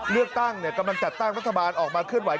เลือกตั้งกำลังจัดตั้งรัฐบาลออกมาเคลื่อนไห